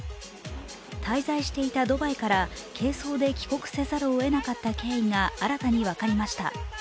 滞在していたドバイから軽装で帰国せざるをえなかった経緯が新たに分かりました。